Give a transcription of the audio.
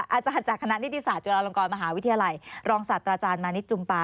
อาจารย์จากคณะนิติศาสตุลาลงกรมหาวิทยาลัยรองศาสตราจารย์มานิดจุมปา